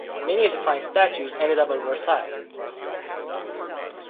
Many of the fine statues ended up at Versailles.